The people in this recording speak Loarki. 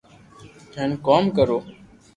ھين ڪوم ڪرو